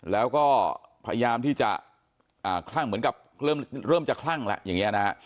แล้วก็พยายามที่จะคลั่งเหมือนกับเริ่มจะคลั่งแล้วอย่างนี้นะฮะ